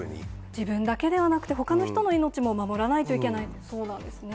自分だけではなくて、ほかの人の命も守らないといけない、そうなんですね。